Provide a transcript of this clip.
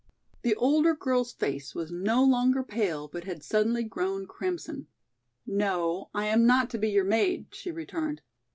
The older girl's face was no longer pale but had suddenly grown crimson. "No, I am not to be your maid," she returned.